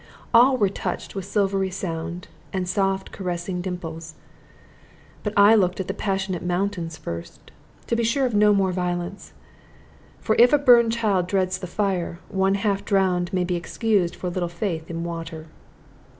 All were touched with silvery sound, and soft caressing dimples. But I looked at the passionate mountains first, to be sure of no more violence; for if a burned child dreads the fire, one half drowned may be excused for little faith in water.